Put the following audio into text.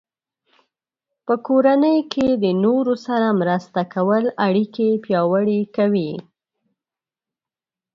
په کورنۍ کې د نورو سره مرسته کول اړیکې پیاوړې کوي.